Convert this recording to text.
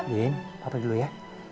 bin bapak dulu ya